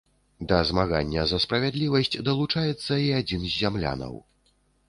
Да змагання за справядлівасць далучаецца і адзін з зямлянаў.